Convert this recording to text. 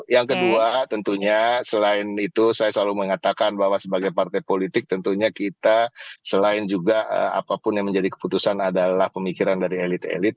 yang kedua tentunya selain itu saya selalu mengatakan bahwa sebagai partai politik tentunya kita selain juga apapun yang menjadi keputusan adalah pemikiran dari elit elit